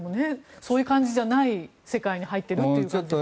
そういう感じじゃない世界に入っているのでしょうか。